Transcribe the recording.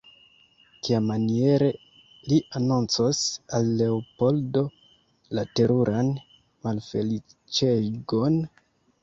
Kiamaniere li anoncos al Leopoldo la teruran malfeliĉegon?